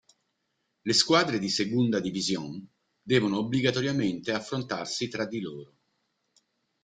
Le squadre di Segunda División devono obbligatoriamente affrontarsi tra di loro.